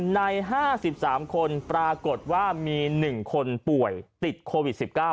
ใน๕๓คนปรากฏว่ามี๑คนป่วยติดโควิด๑๙